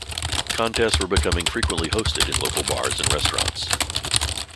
Contests were becoming frequently hosted in local bars and restaurants.